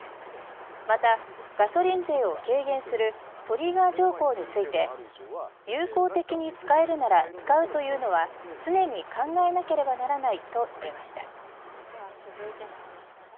また、ガソリン税を軽減するトリガー条項について有効的に使えるなら使うというのは常に考えなければならないと述べました。